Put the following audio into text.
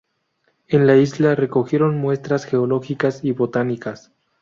En la isla recogieron muestras geológicas y botánicas.